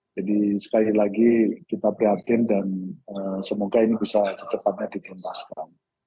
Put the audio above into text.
jadi sekali lagi kita prihatin dan semoga ini bisa secepatnya ditempatkan